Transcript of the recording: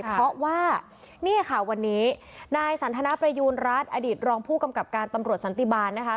เพราะว่านี่ค่ะวันนี้นายสันทนประยูณรัฐอดีตรองผู้กำกับการตำรวจสันติบาลนะคะ